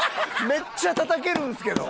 めっちゃ叩けるんですけど。